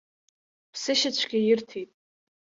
Ԥсышьацәгьа ирҭеит!